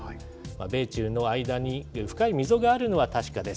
米中の間に深い溝があるのは確かです。